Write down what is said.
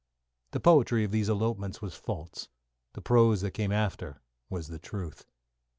The poetry of these elopements was false, the prose that came after was the truth.